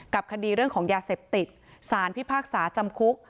คดีเรื่องของยาเสพติดสารพิพากษาจำคุก